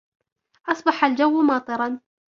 أصبح الجو ماطرا